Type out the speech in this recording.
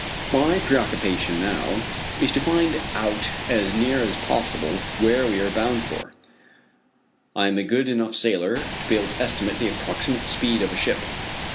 My preoccupation now is to find out as near as possible where we are bound for. I am a good enough sailor to be able to estimate the approximate speed of a ship.